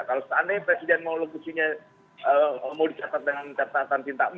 kalau saat ini presiden mau legusinya mau dicatat dengan kata katan cinta emas